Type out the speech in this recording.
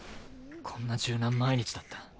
こんな柔軟毎日だった。